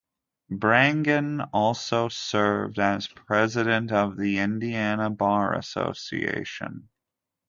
Branigin also served as president of the Indiana Bar Association.